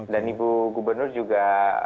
dan ibu gubernur juga